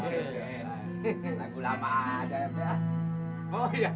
tangguh lama aja ya